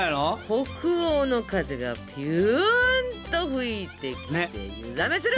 北欧の風がピュンと吹いてきて湯冷めする！